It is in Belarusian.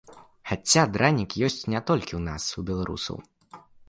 Хаця дранік ёсць не толькі ў нас, у беларусаў.